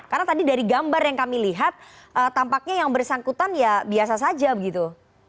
karena tadi dari gambar yang kami lihat tampaknya yang bersangkutan ya biasa saja begitu